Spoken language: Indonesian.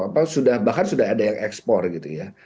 bahkan sudah ada yang ekspor gitu ya